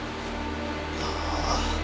ああ。